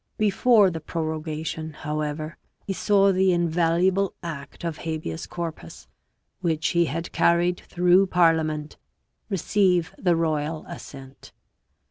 Before the prorogation, however, he saw the invaluable Act of Habeas Corpus, which he had carried through parliament, receive the royal assent.